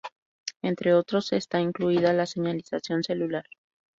Entre otros está incluida la señalización celular.